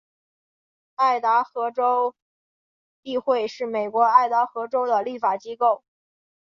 爱达荷州议会是美国爱达荷州的立法机构。